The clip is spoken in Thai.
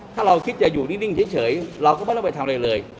ถ้าเราคิดจะอยู่นิ่งเฉยเราก็ไม่ต้องไปทำอะไรเลย